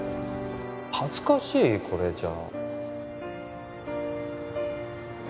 恥ずかしいこれじゃ。